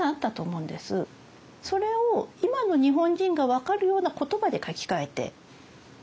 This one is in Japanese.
それを今の日本人が分かるような言葉で書き換えて。